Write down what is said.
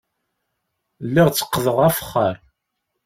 Lliɣ tteqqdeɣ afexxar.